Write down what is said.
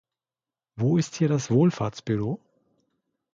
Wo ist hier das Wohlfahrtsbüro?